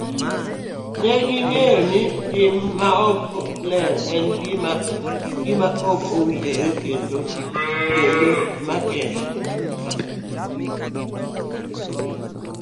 Ne ging'eyo ni tim maok ler en gima ok owinjore kendo maketho.